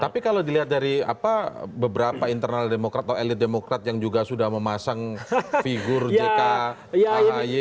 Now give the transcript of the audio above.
tapi kalau dilihat dari beberapa internal demokrat atau elit demokrat yang juga sudah memasang figur jk ahy